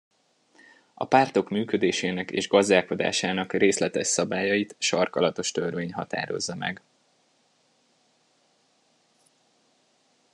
A pártok működésének és gazdálkodásának részletes szabályait sarkalatos törvény határozza meg.